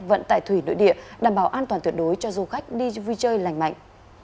vận tải thủy nội địa đảm bảo an toàn tuyệt đối cho du khách đi vui chơi lành mạnh